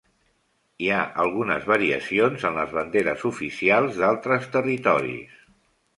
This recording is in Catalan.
Hi ha algunes variacions en les banderes oficials d'altres territoris.